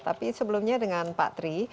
tapi sebelumnya dengan pak tri